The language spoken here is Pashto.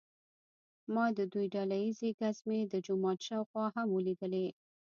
ما د دوی ډله ییزې ګزمې د جومات شاوخوا هم ولیدلې.